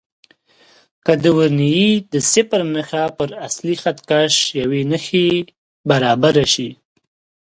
که د ورنیې د صفر نښه پر اصلي خط کش یوې نښې برابره شي.